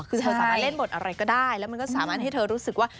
คือเธอสามารถเล่นบทอะไรก็ได้แล้วมันก็สามารถให้เธอรู้สึกว่า